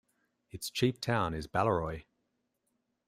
Its chief town is Balleroy.